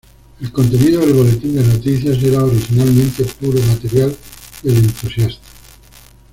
El contenido del boletín de noticias era originalmente puro material del entusiasta.